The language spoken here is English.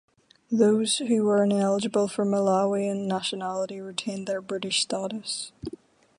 Those who were ineligible for Malawian nationality retained their British status.